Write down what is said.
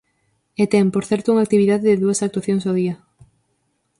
E ten, por certo, unha actividade de dúas actuacións ao día.